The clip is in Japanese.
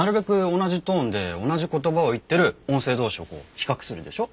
同じトーンで同じ言葉を言ってる音声同士を比較するでしょ？